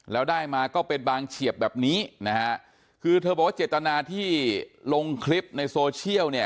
แล้วได้มาก็เป็นบางเฉียบแบบนี้นะฮะคือเธอบอกว่าเจตนาที่ลงคลิปในโซเชียลเนี่ย